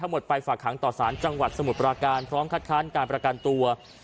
ทั้งหมดไปฝากค้างต่อสารจังหวักสมุดปราการน่ะค่อนข้างการปราการตัว